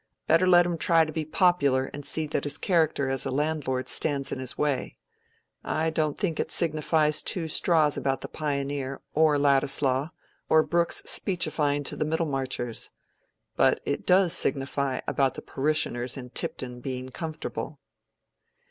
Better let him try to be popular and see that his character as a landlord stands in his way. I don't think it signifies two straws about the 'Pioneer,' or Ladislaw, or Brooke's speechifying to the Middlemarchers. But it does signify about the parishioners in Tipton being comfortable."